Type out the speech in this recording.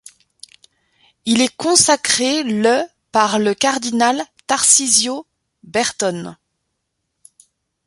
Il est consacré le par le cardinal Tarcisio Bertone.